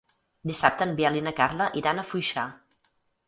Dissabte en Biel i na Carla iran a Foixà.